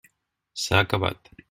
S'ha acabat.